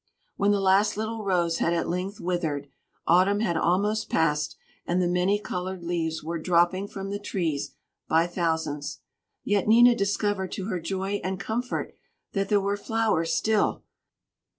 When the last little rose had at length withered, autumn had almost passed and the many colored leaves were dropping from the trees by thousands. Yet Nina discovered to her joy and comfort that there were flowers still.